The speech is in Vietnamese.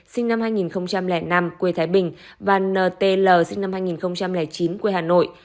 sinh năm hai nghìn năm quê thái bình và n t l sinh năm hai nghìn chín quê hà nội